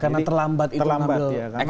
karena terlambat itu ngambil actionnya gitu ya